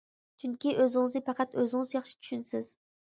چۈنكى ئۆزىڭىزنى پەقەت ئۆزىڭىز ياخشى چۈشىنىسىز!